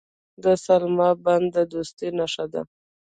د سلما بند د دوستۍ نښه ده.